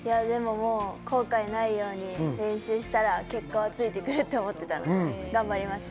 後悔のないように練習したら結果はついてくると思ったので頑張りました。